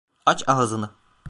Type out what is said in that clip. Aç ağzını.